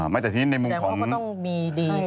ซึ่งแสดงว่าเค้าก็ต้องมี